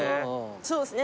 そうですね